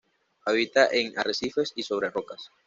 Habita en arrecifes y sobre rocas.